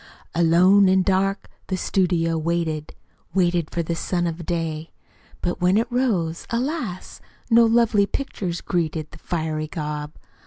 "Alone an' dark The studio Waited: Waited for the sun of day. But when it rose, Alas! No lovely pictures greeted The fiery gob.